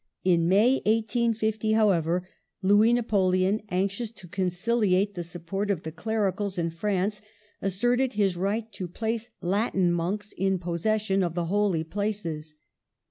In May, 1850, however, Louis Napoleon anxious to conciliate the support of the Clericals in France, asserted his right to place Latin monks in possession of the Holy Places.